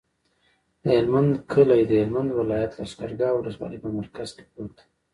د هلمند کلی د هلمند ولایت، لښکرګاه ولسوالي په مرکز کې پروت دی.